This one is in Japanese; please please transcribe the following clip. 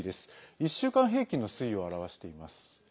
１週間平均の推移を表しています。